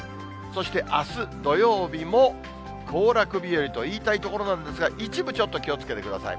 そしてあす土曜日も、行楽日和と言いたいところなんですが、一部ちょっと気をつけてください。